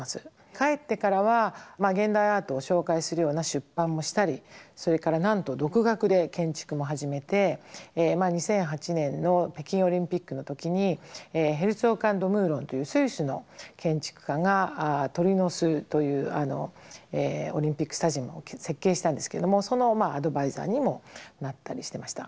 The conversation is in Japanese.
帰ってからは現代アートを紹介するような出版もしたりそれからなんと独学で建築も始めて２００８年の北京オリンピックの時にヘルツォーク＆ド・ムーロンというスイスの建築家が「鳥の巣」というオリンピックスタジアムを設計したんですけどもそのアドバイザーにもなったりしてました。